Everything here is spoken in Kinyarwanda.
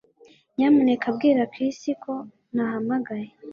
Nyamuneka bwira Chris ko nahamagaye